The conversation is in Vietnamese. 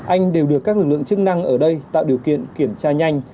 anh đều được các lực lượng chức năng ở đây tạo điều kiện kiểm tra nhanh